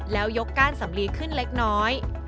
แล้วยกก้านสำลีขึ้นเล็กน้อย